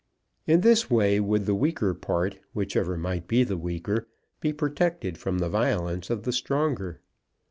In this way would the weaker part, whichever might be the weaker, be protected from the violence of the stronger.